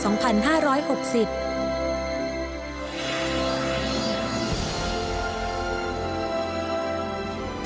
ฉบับวันที่๒๔ตุลาคมพุทธศักราช๒๕๖๐